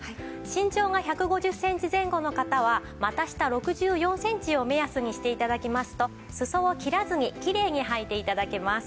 身長が１５０センチ前後の方は股下６４センチを目安にして頂きますと裾を切らずにキレイにはいて頂けます。